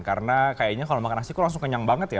karena kayaknya kalau makan nasi kok langsung kenyang banget ya